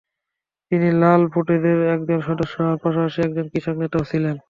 তিনি লাল ফৌজের একজন সদস্য হওয়ার পাশাপাশি একজন কৃষক নেতাও ছিলেন।